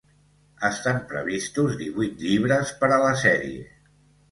Estan previstos divuit llibres per a la sèrie.